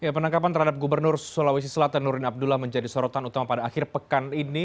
penangkapan terhadap gubernur sulawesi selatan nurdin abdullah menjadi sorotan utama pada akhir pekan ini